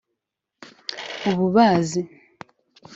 ububazi